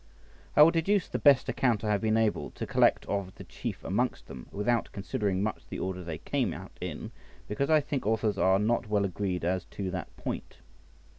I will deduce the best account I have been able to collect of the chief amongst them, without considering much the order they came out in, because I think authors are not well agreed as to that point.